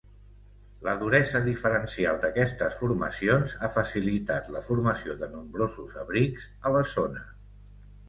La duresa diferencial d'aquestes formacions ha facilitat la formació de nombrosos abrics a la zona.